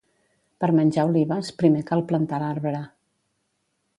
Per menjar olives, primer cal plantar l'arbre.